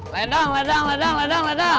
ledang ledang ledang ledang ledang